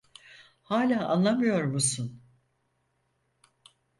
Hala anlamıyor musun?